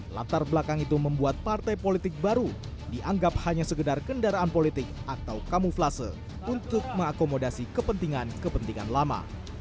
latar belakang itu membuat partai politik baru dianggap hanya sekedar kendaraan politik atau kamuflase untuk mengakomodasi kepentingan kepentingan lama